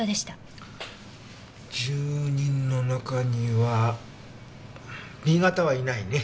住人の中にはＢ型はいないね。